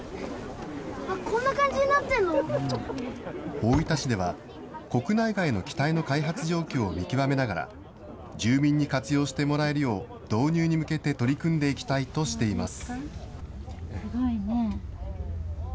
大分市では、国内外の機体の開発状況を見極めながら、住民に活用してもらえるよう、導入に向けて取り組んでいきたいとしています。